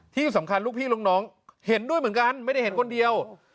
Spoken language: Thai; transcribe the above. ที่สำคัญลูกพี่ลูกน้องเห็นด้วยเหมือนกันไม่ได้เห็นคนเดียว